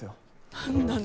何なの？